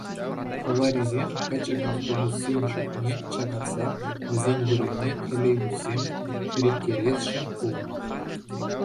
Хуларисем пӗчӗк автобуссен шутне чакараса вӗсен вырӑнне троллейбуссем ҫӳреттересшӗн пулнӑ.